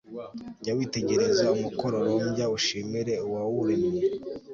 jya witegereza umukororombya ushimire uwawuremye